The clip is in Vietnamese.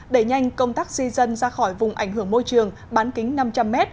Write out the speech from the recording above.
đẩy nhanh công tác di dân ra khỏi vùng ảnh hưởng môi trường bán kính năm trăm linh m